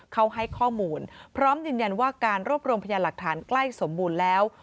เขาให้ข้อมูลพร้อมยืนยันว่าการรวบรวมพยานหลักฐานใกล้สมบูรณ์แล้ว